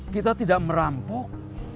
kita tidak merampok